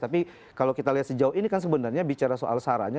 tapi kalau kita lihat sejauh ini kan sebenarnya bicara soal sarannya